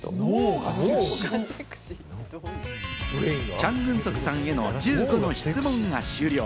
チャン・グンソクさんへの１５の質問が終了。